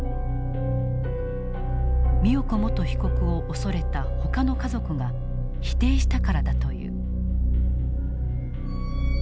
美代子元被告を恐れたほかの家族が否定したからだという。